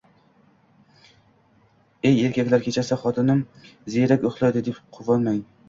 Ey erkaklar, kechasi xotinim ziyrak uxlaydi, deb quvonmang